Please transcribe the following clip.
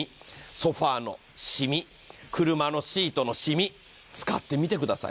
ソファーのしみ、車のシートのしみ、使ってみてください。